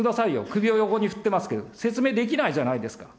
首を横に振ってますけど、説明できないじゃないですか。